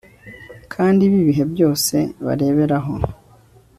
kandi b'ibihe byose bareberaho